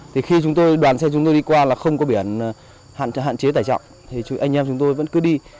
thì khi chúng tôi đoàn xe chúng tôi đi qua là không có biển hạn chế tải trọng thì anh em chúng tôi vẫn cứ đi